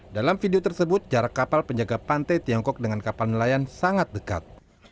dalam video tersebut jarak kapal penjaga pantai tiongkok dengan kapal nelayan sangat dekat